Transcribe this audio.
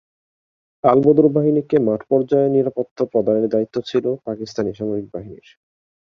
আল-বদর বাহিনীকে মাঠ পর্যায়ে নিরাপত্তা প্রদানের দায়িত্ব ছিল পাকিস্তানি সামরিক বাহিনীর।